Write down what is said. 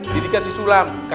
didikan si sulang